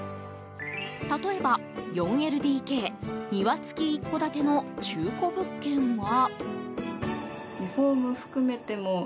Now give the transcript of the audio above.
例えば、４ＬＤＫ庭付き一戸建ての中古物件は。